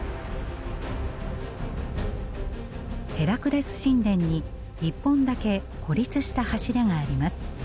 ヘラクレス神殿に一本だけ孤立した柱があります。